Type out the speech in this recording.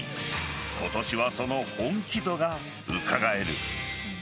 今年はその本気度がうかがえる。